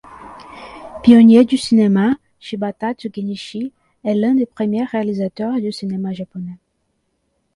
Pionnier du cinéma, Shibata Tsunekichi est l'un des premiers réalisateurs du cinéma japonais.